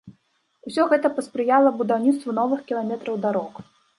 Усё гэта паспрыяла будаўніцтву новых кіламетраў дарог.